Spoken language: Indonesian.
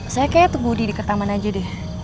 saya kayaknya tunggu udi diketaman aja deh